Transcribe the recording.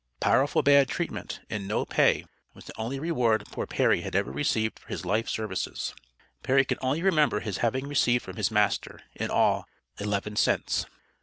"Powerful bad" treatment, and "no pay," was the only reward poor Perry had ever received for his life services. Perry could only remember his having received from his master, in all, eleven cents.